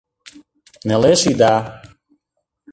— Нелеш ида...